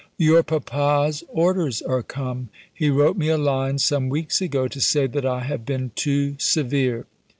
"Your papa's orders are come. He wrote me a line some weeks ago, to say that I have been too severe.